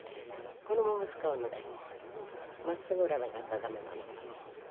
このまま使うのでまっすぐ織らなかったらダメなの。